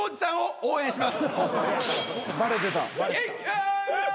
応援してます。